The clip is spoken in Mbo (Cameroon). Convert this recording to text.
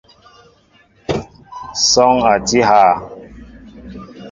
Sɔɔŋ a tí hà ?